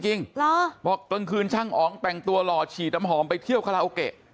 เหรอเพราะตอนคืนช่างอองแต่งตัวหล่อฉีดน้ำหอมไปเที่ยวคาโลกเก